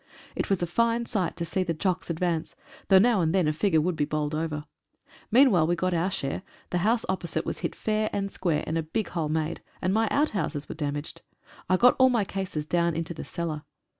It was a fine sight to see the "Jocks" advance, though now and then a figure would be bowled over. Meanwhile we got our share — the house opposite was hit fair and square, and a big hole made, and my outhouses were damaged. I got all my cases down into the cellar.